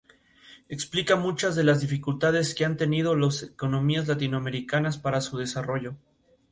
Explica muchas de las dificultades que han tenido las economías latinoamericanas para su desarrollo.